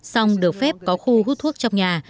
song được phép có khu hút thuốc trong nhà